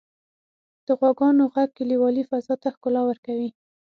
• د غواګانو ږغ کلیوالي فضا ته ښکلا ورکوي.